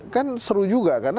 kan seru juga karena